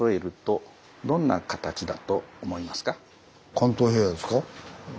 関東平野ですか？